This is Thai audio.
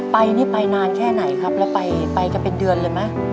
ไปนี่ไปนานแค่ไหนครับแล้วไปกันเป็นเดือนเลยไหม